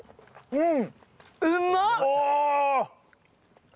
うん。